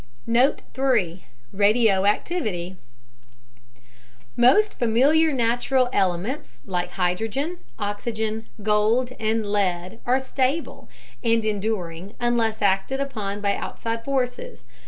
Note 3: Radioactivity Most familiar natural elements like hydrogen, oxygen, gold, and lead are stable, and enduring unless acted upon by outside forces.